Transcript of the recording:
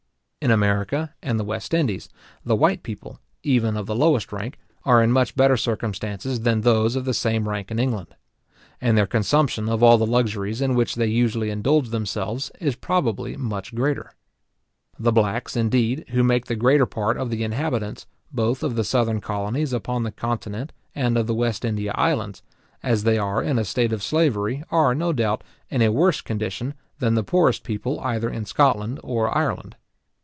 In America and the West Indies, the white people, even of the lowest rank, are in much better circumstances than those of the same rank in England; and their consumption of all the luxuries in which they usually indulge themselves, is probably much greater. The blacks, indeed, who make the greater part of the inhabitants, both of the southern colonies upon the continent and of the West India islands, as they are in a state of slavery, are, no doubt, in a worse condition than the poorest people either in Scotland or Ireland.